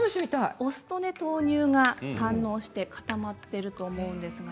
お酢と豆乳が反応して固まっていると思うんですけど。